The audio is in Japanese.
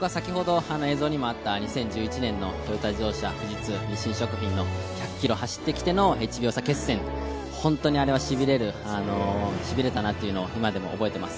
僕は２０１１年のトヨタ自動車、富士通、日清食品の１００ｋｍ走ってきての１秒差決戦ホントにしびれたなというのを今でも覚えています。